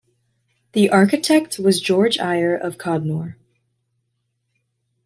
The architect was George Eyre of Codnor.